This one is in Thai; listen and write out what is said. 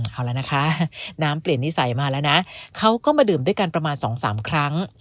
เอาแล้วนะคะน้ำเปลี่ยนนิสัยมาแล้วนะเขาก็มาดื่มด้วยกันประมาณ๒๓ครั้ง